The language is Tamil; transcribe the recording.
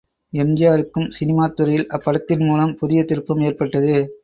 எம்.ஜி.ஆருக்கும் சினிமாத் துறையில் அப்படத்தின் மூலம் புதிய திருப்பம் ஏற்பட்டது.